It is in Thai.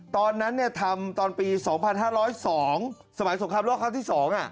ตอนนั้นทำตอนปี๒๕๐๒สมัยสงครามโลกครั้งที่๒